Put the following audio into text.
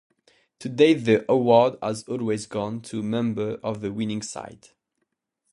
To date the award has always gone to a member of the winning side.